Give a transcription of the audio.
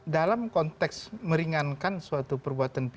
dalam konteks meringankan suatu perbuatan pidana